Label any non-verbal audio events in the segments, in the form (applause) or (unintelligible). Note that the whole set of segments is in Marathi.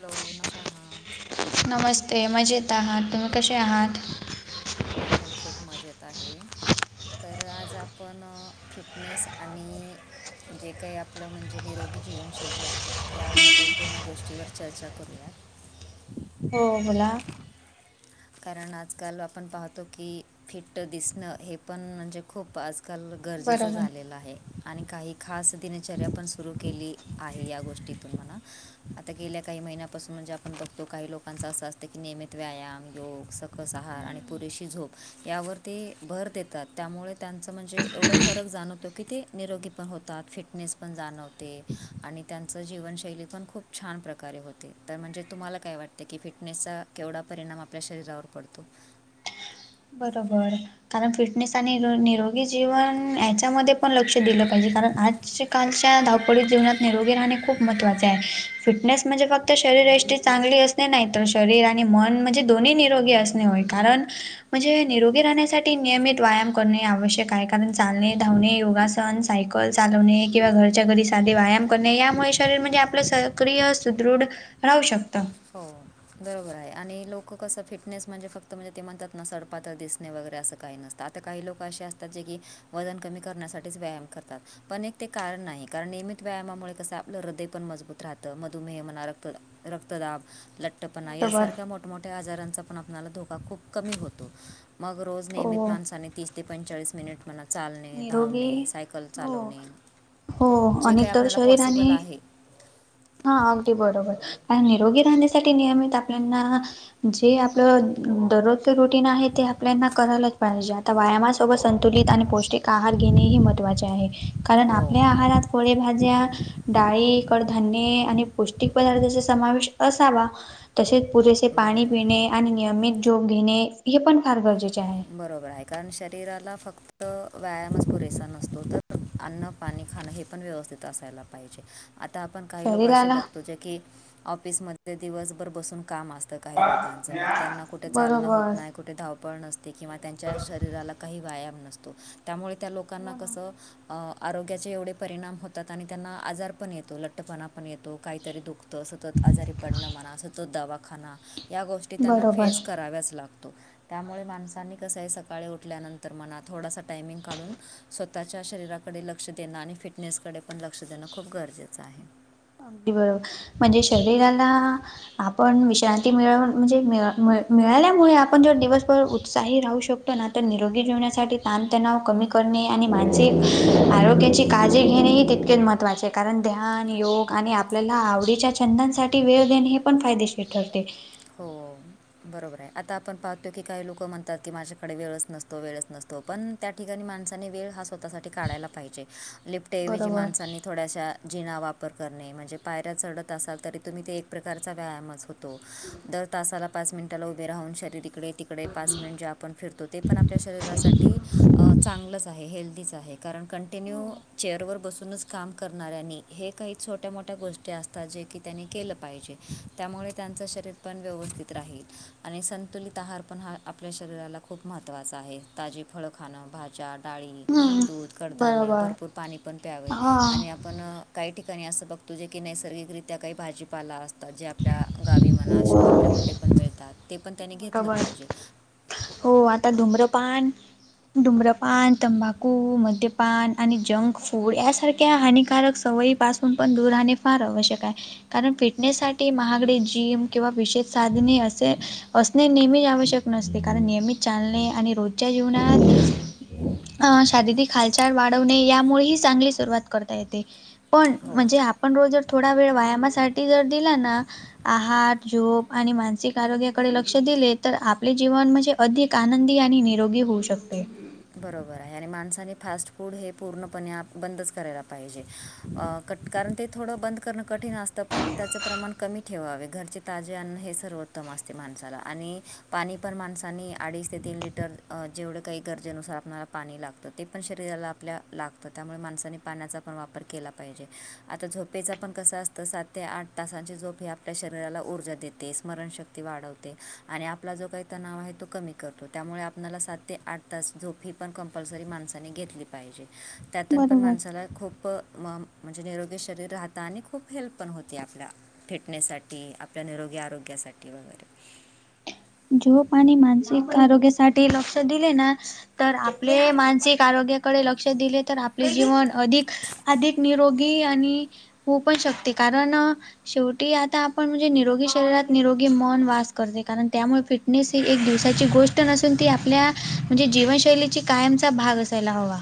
हॅलो! नशहा. नमस्ते मजेत आहात तुम्ही कसे आहात? मी पण खूप मजेत आहे. तर आज आपण फिटनेस आणि- जे काही आपलं म्हणजे निरोगी जीवनशैली आहे या महत्त्वपूर्ण गोष्टीवर चर्चा करूया. हो बोला? कारण आजकाल आपण पाहतो की फिट दिसणं हे पण म्हणजे खूप आज. काल गरजेचं बरोबर झालेलं आहे. आणि काही खास दिनचरया पण सुरू केली आहे या गोष्टीतून म्हणा. आता गेल्या काही महिन्यापासून म्हणजे आपण बघतो काही लोकांच असं असतं की नियमित व्यायाम. लोक सकस आहार आणि हम्म पुरेशी झोप यावर ते भर देतात त्यामुळे. त्यांचं म्हणजे एवढं फरक जाणवतो की ते निरोगी पण होतात. फिटनेस पण जाणव ते आणि त्यांचं जीवनशैली पण खूप छान प्रकारे होते. तर म्हणजे तुम्हाला काय वाटतं. ते की फिटनेसचा केवढा परिणाम आपल्या शरीरावर पडतो. बरोबर कारण फिटनेस आणि निरोगी जीवन याच्यामध्ये पण लक्ष दिलं पाहिजे कारण आजकालच्या पळी जीवनात निरोगी राहणे खूप महत्वाचे आहे. फिटनेस म्हणजे फक्त शरीरष्टी चांगली अस नाही तर शरीर आणि मन म्हणजे दोन्ही निरोगी असणे होय कारण म्हणजे निरोगी राहण्यासाठी नियमित व्यायाम करणे आवश्यक आहे. कारण चालणे, धावणे, योगासण सण सायकल चालवणे किंवा घरच्या घरी साधे व्यायाम करणे. यामुळे शरीर म्हणजे आपलं सक्रिय, सुदृढ राहू शकतं. हो. बरोबर आहे आणि लोक कसं फिटनेस म्हणजे फक्त म्हणजे ते म्हणतात ना सडपातळ दिसणे वगैरे असं काही नसतात. त काही लोक असे असतात जे की वजन कमी करण्यासाठीच व्यायाम करतात. पण एक ते कारण नाही कारण नियमित व्यायामामुळे कसं आपलं हृदय पण मजबूत राहतं मधुमेह मना रक्त क्तदाब, लट्टपणा बरोबर. यासारख्या मोठ्या मोठ्या आजारांचा पण आपणाला धोका खूप कमी होतो. मग रोज नियमीत हो माणसाने तीस ते पंचेचाळीस मिनिट मना चालणे, निरोगी धावणे, सायकल हो चालवणे हो जे आणि काही तर आपणाला शरीराने पॉसिबल आहे हा अगदी बरोबर कारण निरोगी राहण्यासाठी नियमित आपल्यांना जे आपलं दररोजचं रुटीन आहे ते आपल्याना करायलाच पाहिजे. त्या व्यायामासोबत संतुलित आणि पौष्टिक आहार घेणेही महत्त्वाचे आहे कारण हो आपल्या आहारात फळेभाज्या डाळी, कडधान्य आणि पौष्टिक पदार्थाचा समावेश असावा. तसेच पुरेसे पाणी बरोबर आहे पिणे आणि नियमित झोप घेणे हे पण फार गरजेचे आहे. बरोबर आहे कारण शरीराला फक्त क्त व्यायामच पुरेसा नसतो तर अन्न, पाणी, खाणं हे पण व्यवस्थित असायला पाहिजे. आता आपण काही लोक असे शरीराला बघतो जे की ऑफिसमध्ये दिवसभर बसून काम अस काही लोकाचं मग त्यांना कुठे चालणं बरोबर होत नाही कुठे धाव पण असते किवा त्यांच्या शरीराला काही व्यायाम नसतो. त्यामुळे त्या लोकांना हो ना कस आरोग्याचे एवढे परिणाम होतात आणि त्यांना आजार पण येतो, लठ्ठपणा पण येतो, काहीतरी दुःख त सतत आजारी पडणं म्हणा सतत दवाखाना या गोष्टी त्यांना बरोबर फेस कराव्याच लाग तो त्यामुळे माणसांनी कस आहे सकाळी उठल्यानंतर मना थोडासा टायमिंग काढून स्वतःच्या शरीराकडे लक्ष देणं आणि फिटनेसकडे पण लक्ष देणं खूप गरजेचं आहे. अगदी बरोबर म्हणजे शरीराला आपण विश्रांती मिळव म्हणजे मिळ मिळ मिळाल्यामुळे आपण जो दिवसभर उत्साही राहू शक तना तन निरोगी जीवणासाठी ताणतणाव कमी करणे आणि मानसिक आरोग्याची काळजी घेणेही तित केच महत्वाचे आहे कारण ध्यान, योग आणि आपल्याला आवडीच्या छंदांसाठी वेळ देणे हे पण फायदेशीर ठरते. हो. बरोबर आहे. आता आपण पाहतो की काही लोक म्हणतात की माझ्याकडे वेळच नसतो वेळच नसतो पण त्या ठिकाणी माणसांनी वेळ हा स्वतःसाठी काढायला पाहिजे. लिफ्टऐवजी बरोबर माणसांनी थोड्याशा जिणा वापर करणे म्हणजे पायऱ्या चढत असाल तरी तुम्ही ते एक प्रकारचा व्यायामच होतो. चला पाच मिनटाला उभे राहून शरीरिक इकडे तिकडे पाच मिनट जे आपण फिरतो ते पण आपल्या शरीरासाठी चांगलंच आहे हेल्दीच आहे. कारण कंटिन्यू चेअरवर बसूनच काम करणाऱ्यांनी हे काही छोट्या मोठ्या गोष्टी असतात जे की त्यांनी केलं पाहिजे त्यामुळे त्यांचं शरीर पण व्यवस्थित राहील, आणि संतुलित आहार पण हा आपल्या शरीराला खूप महत्त्वाचा आहे ताजी फळं खाणं, भाज्या, डाळी हम्म दूध, कडधान्य, बरोबर भरपूर पाणी पण प्यावे हा आणि पण काही ठिकाणी असं बघतो जे की नैसर्गिकरित्या काही भाजीपाला आता जे आपल्या गावी म्हणा, आपल्या कुठे पण मिळतात ते पण त्यानी घेतलं बरोबर पाहिजे हो आता धुम्रपन धूम्रपान, तंबाखू, मद्यपान, आणि जंग फूड यासारख्या हानिकारक सवयी पासून पण दूर राहणे फार आवश्यक आहे कारण फिटनेस साठी महागडे जिम, किंवा विशेष साधने असे असणे नेहमीच आवश्यक नसते, कारण नियमित चालणे, आणि रोजच्या जीवनात अ शारीरिक हालचाल वाढवणे, यामुळेही चांगली सुरुवात करता येते पण हो म्हणजे आप पण रोज जर थोडा वेळ व्यायामासाठी जर दिला ना आहार, झोप, आणि मानसिक आरोग्य कडे लक्ष दिले तर आपले जीवन म्हणजे अधिक आनंदी आणि निरोगी होऊ शकते. बरोबर आहे, आणि माणसाने फास्ट फूड हे पूर्णपणे बंदच करायला पाहिजे अ कट कारण ते थोडं बंद करणं कठीण असतं पण त्याचं प्रमाण कमी ठेवावे, घरचे ताजे अन्न हे सर्वोत्तम असते माणसाला आणि पाणी पण माणसानी अडीच ते तीन लिटर तर जेवढे काही कर जे नुसार आपणाला पाणी लागतं ते पण शरीराला आपल्या लागतं, त्यामुळे माणसानी पाण्याचा वापर केला पाहिजे, आता झोपेचा पण कसं असतं सात ते आठ तासांची झोप ही आप आपल्या शरीराला ऊर्जा देते, स्मरणशक्ती वाढवते, आणि आपला जो काही तणाव आहे तो कमी करतो, त्यामुळे आपला सात ते आठ तास झोप ही पण कंपल्सरी माणसाने घेतली पाहिजे. त्यातून पण बरोबर. माणसाला खूप म म्हणजे निरोगी शरीर राहतं, आणि खूप हेल्प पण होती आपल्या फिटनेससाठी, आपल्या निरोगी आरोग्यासाठी वगैरे. झोप आणि मानसिक आरोग्यासाठी लक्ष दिले ना तर आपले मानसिक आरोग्याकडे लक्ष दिले तर आपले जीवन अधिक अधिक निरोगी आणि होऊ पण शकते, कारण शेवटी आता आपण म्हणजे निरोगी शरीरात निरोगी मन वास करते, कारण त्यामुळे फिटनेस ही एक हो दिवसाची गोष्ट नसून ती आपल्या म्हणजे जीवनशैली कायमचा भाग असायला हवा.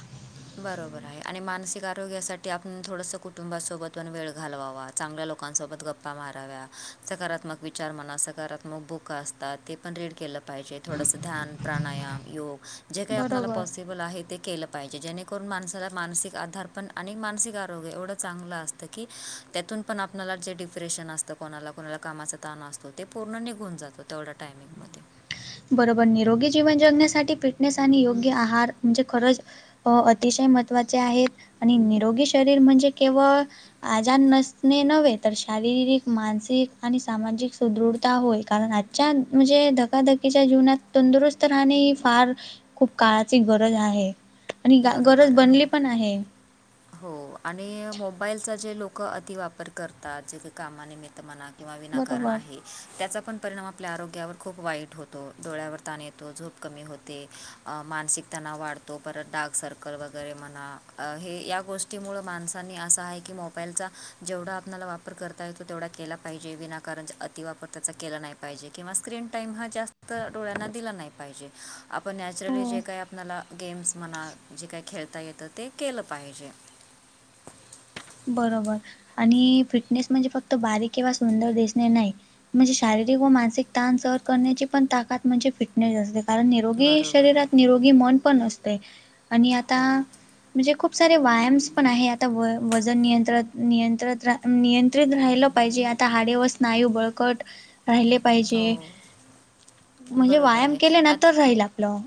बरोबर आहे, आणि मानसिक आरोग्यासाठी आपण थोडसं कुटुंबासोबत पण वेळ घालवावा. चांगल्या लोकांसोबत गप्पा माराव्या, सकारात्मक विचार म्हणा, सकारात्मक बुकं असतात ते पण रीड केलं पाहिजे, थोडसं ध्यान, प्राणायाम, योग जे काही आपल्याला बरोबर पॉसिबल आहे ते केलं पाहिजे, जेणे करून माणसाला मानसिक आधार पण, आणि मानसिक आरोग्य, एवढं चांगलं असतं की त्यातून पण आपल्याला जे डिप्रेशन असतं, कोणाला कोणाला कामाच ताण असतो, ते पूर्ण निघून जातो, तेवढा टायमिंगमध्ये. बरोबर, निरोगी जीवन जगण्यासाठी फिटनेस, आणि योग्य आहार, म्हणजे खरच अ अतिशय महत्त्वाचे आहेत, आणि निरोगी शरीर म्हणजे केवळ आजार नसणे नव्हे, तर शारीरिक, मानसिक, आणि सामाजिक सुदृढता होय, कारण आ छान, म्हणजे धका धकी तिच्या जीवनात तंदुरुस्त राहणे ही फार खूप काळाची गरज आहे. आणि ग गरज बनली पण आहे. हो आणि मोबाईलचा जे लोकं अतिवापरं करतांत जे कांहीं कामां निमित्त, तरं मणां किंवा विनाकारणं बरोबर. आहे. त्यांचा पणं परिणांम आपल्या आरोग्यांवर खूंप वाईटं होतो डोळ्यांवर तांण येतो झोप कमी होते. मानसिक तणांव वाढतो परंत डांग, सर्कल वगैरे म्हणां हे या गोष्टींमुळे माणसांनी असं आहे की मोबाईलचां जेवढां आपल्यांला वापरं करतां येतो तेवढां केलां पाहिजे विनाकारणं अतिवापरं त्यांचा केलां नाहीं. किंवा स्क्रीन टाईम हां जास्तं डोळ्यांना दिलां नाहीं पाहिजे. आपणं नॅचरली हो. जे कायं आपल्यांला गेम्स म्हणां जे कांहीं खेळतां येतं ते केलं पाहिजे. बरोबर आणि फिटनेस म्हणजे फक्तं बारीक किंवा सुंदर दिसणे नाहीं. म्हणजे शारीरिक वं मानसिक तांण सहणं करण्यांची पणं ताकांत म्हणजे फिटनेस असते. कारणं निरोगी बरोबर शरीरांत आहे निरोगी मनं पणं असते आणि आंता हो म्हणजे खूंप सारे व्यांयाम्स पणं आहे आंता वं वंजन नियंत्र नियंत्र रां नियंत्रित राहिलं पाहिजे आंता हाडे व स्नायूं बळंकटं राहिले पाहिजे हो म्हणजे बरोबर व्यांयाम आहे केले नां आत तरं राहील आपलं.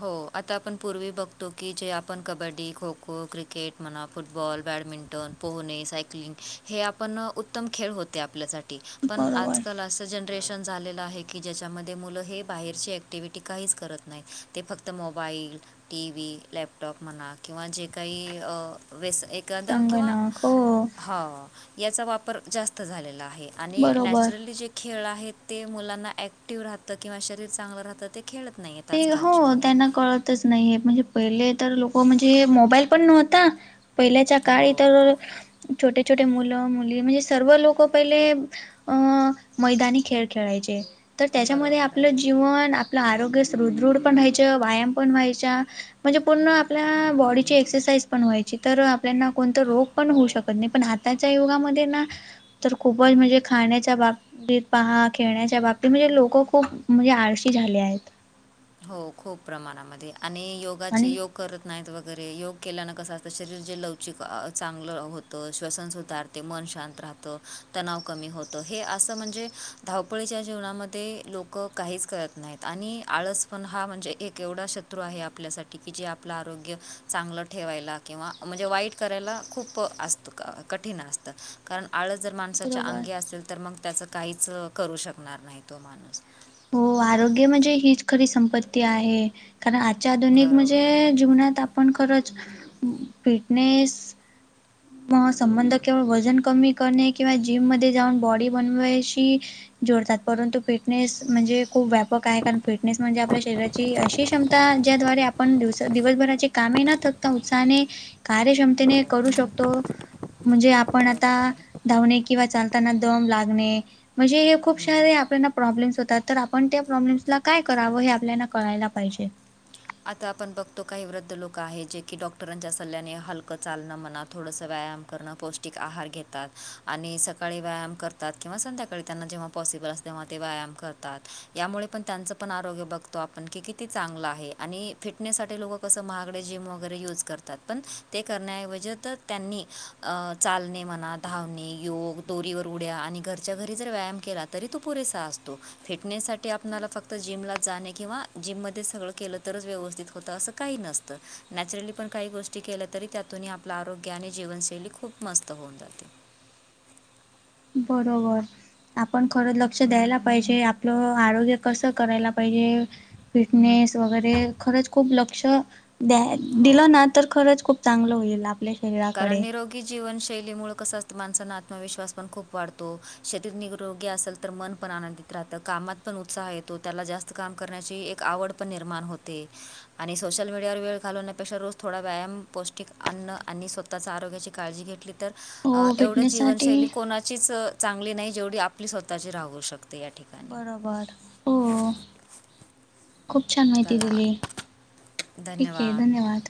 हो आंता आपणं पूर्वी जे बघतो की जे आपणं कबड्डी खो खो क्रिकेट म्हणां फुटबॉल बॅडमिंटन पोहणे सायकलिंग हे आपणं उत्तमं खेळं होते आपल्यांसाठी. पणं आंज बरोबर कांल असं जणं ड्रेशन झालेलं आहे की त्यांच्यामध्ये मुलं हे बाहेरची ऍक्टिव्हटी काहींचं करतं नाहीं ते फक्तं मोबाईल टी व्ही लॅपटॉप म्हणां किंवा जे कांहीं वेस एक गदं किंवा हो यांचा वापरं जास्तं झालेला आहे आणि बरोबर नॅचरली जे खेळं आहेत ते मुलांना ऍक्टिव्ह राहतं किंवा शरीर चांगलं राहतं ते खेळतं नाहीयेत ते आंजकांल हो त्यांना कळतंच नाहींय म्हणजे पहिले तरं लोकं म्हणजे मोबाईल पणं नव्हतां. पहिल्यांच्या हो कांळी तरं छोटे छोटे मुलं मुली म्हणजे सर्व लोकं पहिले, अं मैदानी खेळं खेळांयचे तरं त्यांच्यामध्ये बरोबर आपलं आहे जीवन आपलं आरोग्य हृद्रृढ पणं व्हांयच्या व्यायांम पणं व्हांयच्या म्हणजे पूर्ण आपल्यां बॉडीची एक्सरसांइज पणं व्हांयची तरं आपल्या आपल्यांना कोणतं रोग पणं होऊं हो शकतं नाहीं पणं आतांच्या युगांमध्ये नां तरं खूपचं म्हणजे खाण्यांच्या बाबंतीत पहां खेळण्यांच्या बांबतीत म्हणजे लोकं खूंप म्हणजे आळशी झाले आहेतं हो खूंप प्रमाणांमध्ये आणि योगांचे आणि योग करतं नाहींत वगैरें योग केल्यांन कसं असतं शरीर जे लवचिक चांगलं होतं श्वसनसधार ते मनं शांत राहतं तणांव कमी होतं हे असं म्हणजे धावपळीच्या जीवणांमध्ये लोकं कांहींच करतं नाहींत आणि आंळस पणं हां म्हणजे एक एवढां शत्रूं आहे आपल्यांसाठी की जे आपलं आरोग्य चांगलं ठेवांयला किंवा म्हणजे वाईट करांयला खूंप वाईट असतं कठीण असतं कारणं आंळस जरं माणसांच्या बरोबर अंगी असेल तरं तरं मंग त्याचं काहींचं करूं शकणांर नाहीं तो माणूंस हो आरोग्य म्हणजे हीचं खरी संपत्ती आहे कारणं आंजच्या आधुंनिक म्हणजे बरोबर आहे. जीवनांत आपणं खरंच फिटनेस (unintelligible) (unintelligible) मंग संबंध केवळ वंजन कमी करणे किंवा जिममध्यें जाऊंन बॉडी बनवांयशी जोडतांत परंतु फिटनेस जे खूंप व्यांपक आहे कारणं फिटनेस म्हणजे आपल्या शरीराची अशी क्षमतां ज्यांद्वारे आपणं दिवसं दिवसंभरांची कामं न कतां उत्सांहने कार्यक्षमतेने हो. करूं शकतो म्हणजे आपण आता बरोबर आहे धावणे किंवा चालताना दम लागणे म्हणजे हे खूप हम्म. सारे आपल्याना प्रॉब्लेम्स होतात तर आपण त्या प्रॉब्लेम्सला काय करावं हे आपल्याला कळायला पाहिजे. आता आपण बघतो काही वृद्ध लोक आहे, जे की डॉक्टरांच्या सल्ल्याने हलकं चालणं, म्हणा थोडंसं व्यायाम करणं पौष्टिक आहार घेतात आणि सकाळी व्यायाम करतात किंवा संध्याकाळी त्यांना जेव्हा पॉसिबल अस तेव्हा ते व्यायाम करतात यामुळे पण त्यांचं पण आरोग्य बघतो आपण की किती चांगलं आहे. आणि फिटनेससाठी लोकं कसं महागडे जिम वगैरे यूज करतात पण ते करण्याऐवजी तर त्यांनी अ चालणे मना, धावणे, योग, दोरीवर उड्या आणि घरच्या घरी जर व्यायाम केलात तरी तो पुरेसा असतो. फिटनेस साठी आपनाला फक्त जिमला जाणे किंवा जिममध्ये सगळं केलं तर व्यवस्थित होत अस काही नसतं नॅचरली पण काही गोष्टी केल्या तरी त्यातून आ पलं आरोग्य आणि जीवनशैली खूप मस्त होऊन जाते. बरोबर. आपण खरं लक्ष द्यायला पाहिजे. आपलं आरोग्य कसं करायला पाहिजे. फिटनेस वगैरे खरंच खूप लक्ष द्या दिलं हो ना तर खरंच खूप चांगलं होईल आपले करण निरोग गी जीवशैलीमुळे कस असतं माणसांना आत्मविश्स पण खूप वाढतो. शरीर निरोगी असेल तर मन पण आनंदित राहतं, कामात पण उत्साह येतो त्याला जास्त काम करण्याची एक आवड पण निर्माण होते. आणि सोशल मीडियावर वेळ घालवण्यापेक्षा रोज थोडा व्यायाम पौष्टिक अन्न आणि स्वतःच आरोग्याची काळजी घेतली अ तर हो एवढं जीवनशैली फिटनेससाठी कोणाचीच अ चांगली नाही जेवढी आपली स्वतःची राहू शकते या ठिकणी बरोबर हो खूप छान माहिती चला दिली. ठीक आहे धन्यवाद धन्यवाद.